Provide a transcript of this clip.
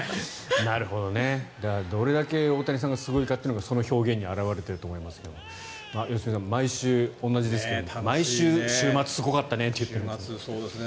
だからどれだけ大谷さんがすごいかっていうのがその表現に表れていると思いますけど良純さん毎週同じですが毎週、週末すごかったねと言っていますが。